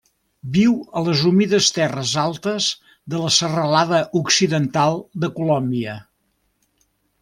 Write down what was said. Viu a les humides terres altes de la Serralada Occidental de Colòmbia.